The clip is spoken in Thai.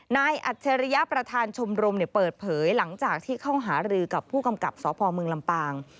อัจฉริยประธานชมรมเปิดเผยหลังจากที่เข้าหารือกับผู้กำกับสพมลำปาง